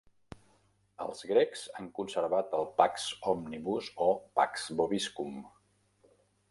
Els grecs han conservat el "Pax omnibus" o "Pax vobiscum".